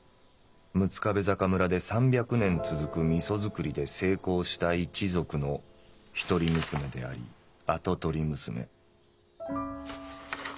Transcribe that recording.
六壁坂村で３００年続く味噌づくりで成功した一族のひとり娘であり跡取り娘」。